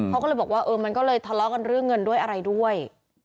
เขาก็เลยบอกว่าเออมันก็เลยทะเลาะกันเรื่องเงินด้วยอะไรด้วย